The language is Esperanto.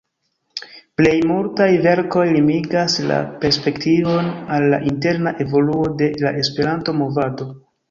Plej multaj verkoj limigas la perspektivon al la interna evoluo de la Esperanto-movado.